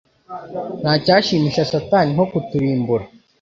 Nta cyashimisha Satani nko kuturimbura